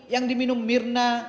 yang diminum mirna